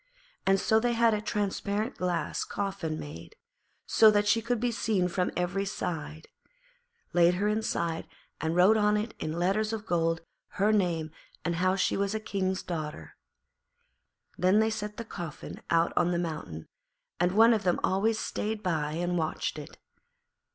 And so they had a transparent glass coffin made, so that she could be seen from every side, laid her inside and wrote on it in letters of gold her name and how she was a King's daughter. Then they set the coffin out on the mountain, and one of them always stayed by and watched it.